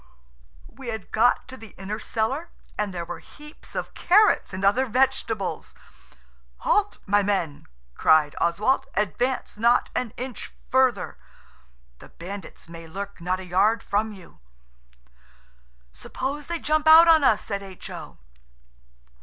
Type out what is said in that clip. We had got to the inner cellar, and there were heaps of carrots and other vegetables. "Halt, my men!" cried Oswald, "advance not an inch further! The bandits may lurk not a yard from you!" "Suppose they jump out on us?" said H.O.